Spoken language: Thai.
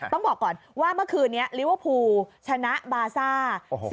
ต้องบอกก่อนว่าเมื่อคืนนี้ลิเวอร์พูลชนะบาซ่า